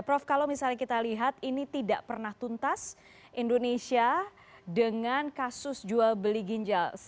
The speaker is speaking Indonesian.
prof kalau misalnya kita lihat ini tidak pernah tuntas indonesia dengan kasus jual beli ginjal